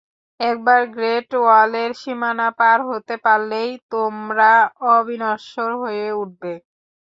একবার গ্রেট ওয়ালের সীমানা পার হতে পারলেই তোমরা অবিনশ্বর হয়ে উঠবে!